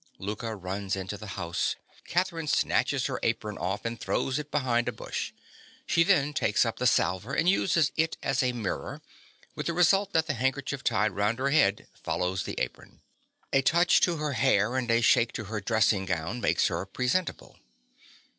(_Louka runs into the house. Catherine snatches her apron off and throws it behind a bush. She then takes up the salver and uses it as a mirror, with the result that the handkerchief tied round her head follows the apron. A touch to her hair and a shake to her dressing gown makes her presentable.